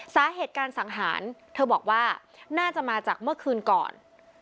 สาเหตุการสังหารเธอบอกว่าน่าจะมาจากเมื่อคืนก่อน